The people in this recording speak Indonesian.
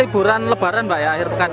ini liburan lebaran mbak ya akhir pekan ya